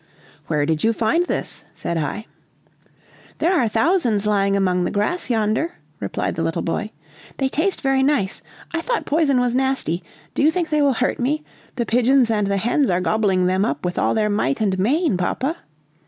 "Where did you find this?" said I. "There are thousands lying among the grass yonder," replied the little boy. "They taste very nice. I thought poison was nasty. Do you think they will hurt me? The pigeons and the hens are gobbling them up with all their might and main, papa!"